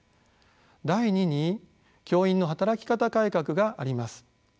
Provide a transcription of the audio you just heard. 第二に教員の働き方改革があります。